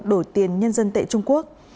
đổi tiền nhân dân tệ trung quốc